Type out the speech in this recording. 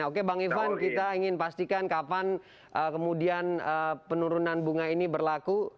oke bang ivan kita ingin pastikan kapan kemudian penurunan bunga ini berlaku